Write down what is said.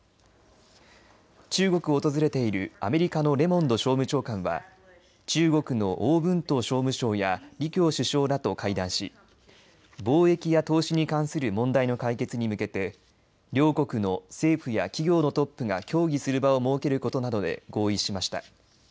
中国を訪れているアメリカのレモンド商務長官は中国の王文涛商務相や李強首相らと会談し貿易や投資に関する問題の解決に向けて両国の政府や企業のトップが協議する場を設けることなどで合意しました。